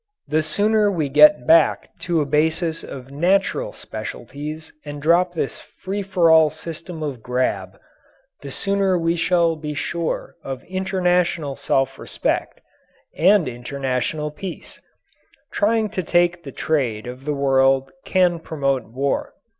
The sooner we get back to a basis of natural specialties and drop this free for all system of grab, the sooner we shall be sure of international self respect and international peace. Trying to take the trade of the world can promote war.